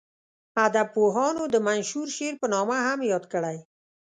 ادبپوهانو د منثور شعر په نامه هم یاد کړی.